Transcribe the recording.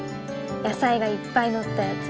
野菜がいっぱい乗ったやつ。